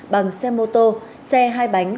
bằng xe mô tô xe hai bánh